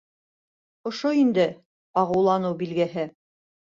Ошо инде ағыуланыу билгеһе.